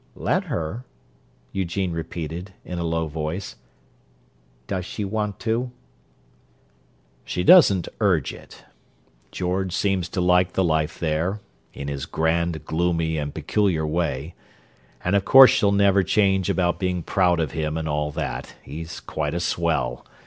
"Let her?" Eugene repeated, in a low voice. "Does she want to?" "She doesn't urge it. George seems to like the life there—in his grand, gloomy, and peculiar way; and of course she'll never change about being proud of him and all that—he's quite a swell.